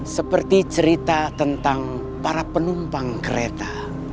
seperti cerita tentang para penumpang kereta